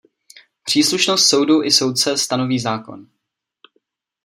Příslušnost soudu i soudce stanoví zákon.